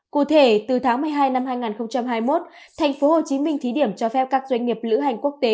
cụ thể từ tháng một mươi hai năm hai nghìn hai mươi một thành phố hồ chí minh thí điểm cho phép các doanh nghiệp lữ hành quốc tế